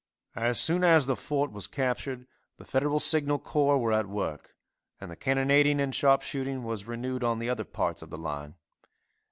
As soon as the fort was captured the Federal signal corps were at work, and the cannonading and sharpshooting was renewed on the other parts of the line.